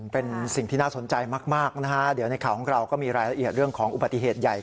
เป็นสิ่งที่น่าสนใจมากนะฮะเดี๋ยวในข่าวของเราก็มีรายละเอียดเรื่องของอุบัติเหตุใหญ่